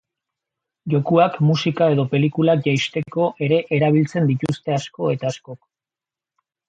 Jokuak, musika edo pelikulak jeisteko ere erabiltzen dituzte asko eta askok.